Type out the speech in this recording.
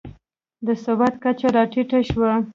د سواد کچه راټیټه شوه.